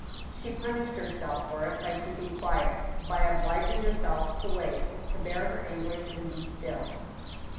She punished herself for it by keeping quiet, by obliging herself to wait, to bear her anguish and be still.